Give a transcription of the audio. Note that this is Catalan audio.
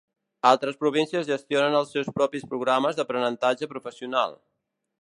Altres províncies gestionen els seus propis programes d'aprenentatge professional.